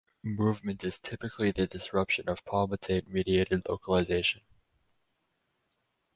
Movement is typically the disruption of palmitate mediated localization.